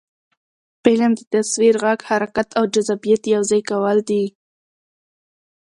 فلم د تصویر، غږ، حرکت او جذابیت یو ځای کول دي